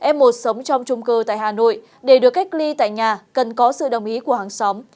f một sống trong trung cư tại hà nội để được cách ly tại nhà cần có sự đồng ý của hàng xóm